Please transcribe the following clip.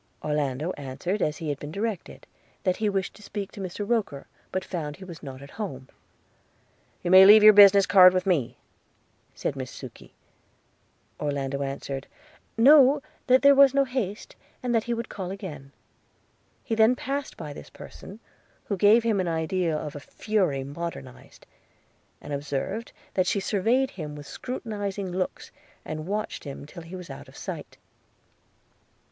Orlando answered as he had been directed, that he wished to speak to Mr Roker, but found he was not at home. 'You may leave your business card with me,' said Miss Sukey. Orlando answered, 'No; that there was no haste, and he would call again.' He then passed by this person, who gave him an idea of a fury modernized; and observed that she surveyed him with scrutinizing looks, and watched him till he was out of sight.